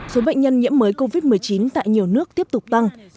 số bệnh nhân nhiễm mới covid một mươi chín tại nhiều cơ sở khác